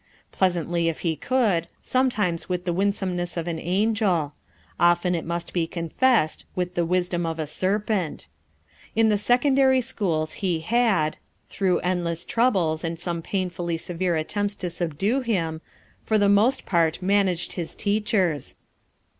Pleasantly if he could, sometimes with the win someness of an angel j often it must be confessed with the wisdom of a serpent, In the secondary schools he had — through endless troubles and some painfully severe attempts to subdue him — for the most part managed his teachers.